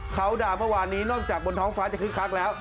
เขาด่าเมื่อวานนี้นอกจากบนท้องฟ้าจะคึกคักแล้ว